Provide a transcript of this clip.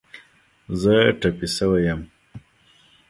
زه ټپې شوی یم